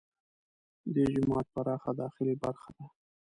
دې جومات پراخه داخلي برخه ده.